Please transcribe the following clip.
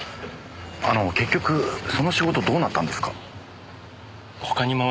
あの結局その仕事どうなったんですか？